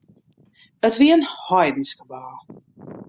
It wie in heidensk kabaal.